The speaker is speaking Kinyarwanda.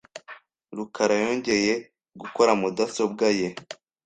rukara yongeye gukora mudasobwa ye .